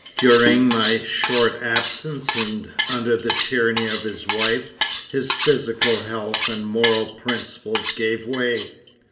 "During my short absence, and under the tyranny of his wife, his physical health and moral principles gave way.